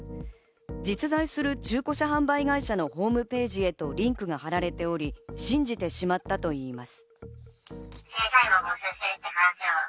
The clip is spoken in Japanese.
実在する中古車販売会社のホームページへとリンクが張られており、信じてしまったといいます。